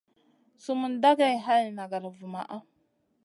Sumun dagey hay nagada vumaʼa.